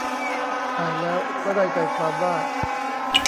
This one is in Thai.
อ่านแล้วก็ได้ใจความว่า